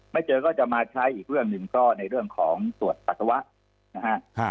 ไม่เจอก็จะมาใช้อีกเรื่องหนึ่งก็ในเรื่องของตรวจปัสสาวะนะฮะ